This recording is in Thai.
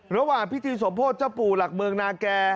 ระหว่างพิธีสมโพธิเจ้าปู่หลักเมืองนาแก่